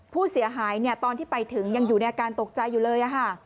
ผู้เสียหายตอนที่ไปถึงยังอยู่ในอาการตกใจอยู่เลย